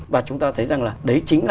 và chúng ta thấy rằng là đấy chính là